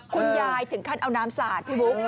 ถึงขั้นเอาน้ำสาดพี่บุ๊ค